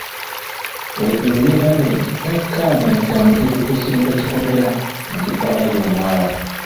Wejuru yagambye nti takkaanya na kya Mutebi kuzimba kikomera mu kifo awali omwala.